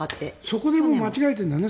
そこでもう間違えてるんだね。